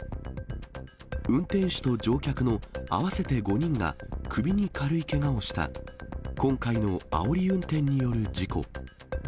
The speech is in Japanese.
運転手と乗客の合わせて５人が首に軽いけがをした今回のあおり運転による事故。